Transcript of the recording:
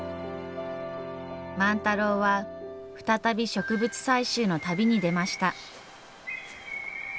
万太郎は再び植物採集の旅に出ました。